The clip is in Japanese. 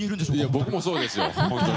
僕もそうですよ。